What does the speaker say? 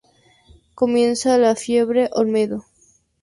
Comienza la "Fiebre Olmedo".